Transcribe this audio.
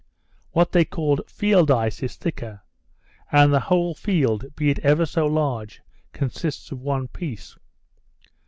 What they called field ice is thicker; and the whole field, be it ever so large, consists of one piece.